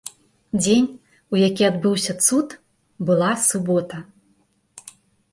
Дзень, у які адбыўся цуд, была субота.